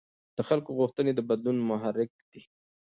د خلکو غوښتنې د بدلون محرک دي